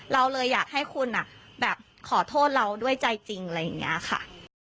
เราเลยอยากให้คุณแบบขอโทษเราด้วยใจจริงอะไรอย่างนี้ค่ะ